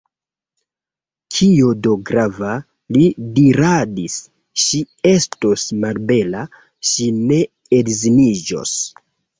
Kio do grava, li diradis, ŝi estos malbela, ŝi ne edziniĝos!